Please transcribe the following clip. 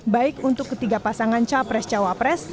baik untuk ketiga pasangan capres cawapres